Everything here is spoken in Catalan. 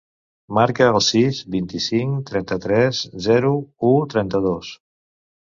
Marca el sis, vint-i-cinc, trenta-tres, zero, u, trenta-dos.